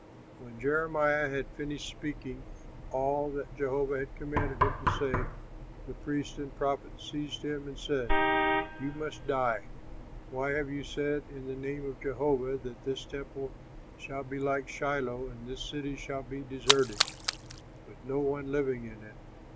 '" When Jeremiah had finished speaking all that Jehovah had commanded him to say, the priests and prophets seized him and said, "You must die. Why have you said in the name of Jehovah that this temple shall be like Shiloh and this city shall be deserted, with no one living in it?"